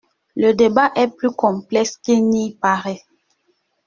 Le débat est plus complexe qu’il n’y paraît.